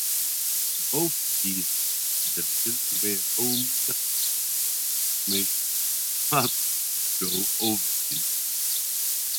Both these divisions were home defence formations that did not go overseas.